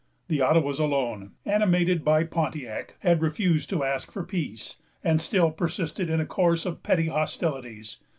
The Ottawas alone, animated by Pontiac, had refused to ask for peace, and still persisted in a course of petty hostilities.